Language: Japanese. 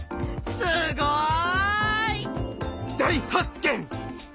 すごい！大発見！